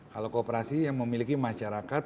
kalau kooperasi yang memiliki masyarakat